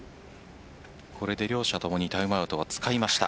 これで両者共にタイムアウトを使いました。